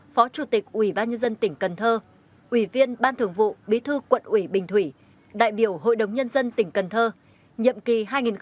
phó chủ tịch ủy ban nhân dân tỉnh cần thơ ủy viên ban thường vụ bí thư quận ủy bình thủy đại biểu hội đồng nhân dân tỉnh cần thơ nhậm kỳ hai nghìn bốn hai nghìn chín